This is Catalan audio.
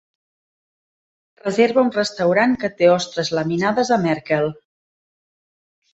reserva un restaurant que té ostres laminades a Merkel